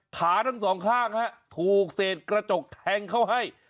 ขาทั้งสองข้างฮะถูกเศษกระจกแทงเข้าให้